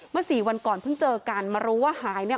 สี่วันก่อนเพิ่งเจอกันมารู้ว่าหายเนี่ย